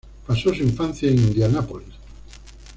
Paso su infancia en Indianápolis.